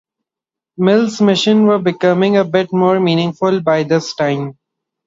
Mil's missions were becoming a bit more meaningful by this time.